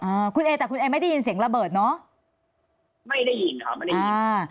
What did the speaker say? อ่าคุณเอแต่คุณเอไม่ได้ยินเสียงระเบิดเนอะไม่ได้ยินครับไม่ได้ยินอ่า